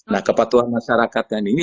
nah kepatuhan masyarakatnya ini